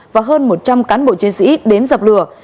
và hơn một trăm linh cán bộ chiến sĩ đến dập lửa